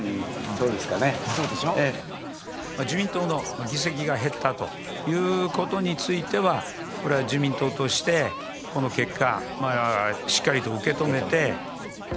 自民党の議席が減ったということについては、これは自民党としてこの結果、しっかりと受け止めて。